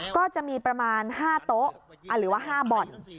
ก็จะมีประมาณ๕โต๊ะหรือว่า๕บ่อน